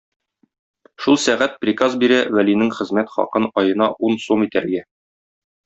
Шул сәгать приказ бирә Вәлинең хезмәт хакын аена ун сум итәргә.